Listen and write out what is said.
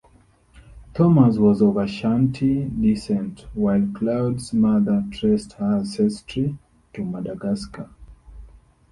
Thomas was of Ashanti descent, while Claude's mother traced her ancestry to Madagascar.